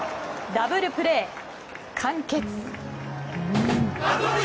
ダブルプレー完結。